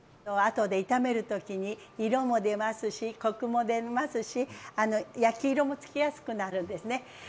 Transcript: あとで炒める時に色も出ますしコクも出ますし焼き色もつきやすくなるんですね。